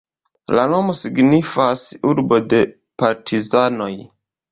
La nomo signifas "urbo de partizanoj".